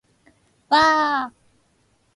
わあああああああ